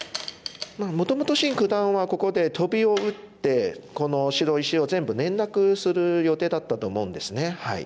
まあもともとシン九段はここでトビを打ってこの白石を全部連絡する予定だったと思うんですね。